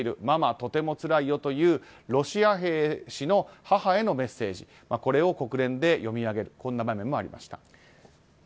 ママ、とてもつらいよというロシア兵士の母へのメッセージを国連で読み上げる場面もありました。